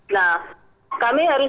nah kami harus